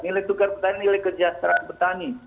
nilai tukar petani nilai kejahteraan petani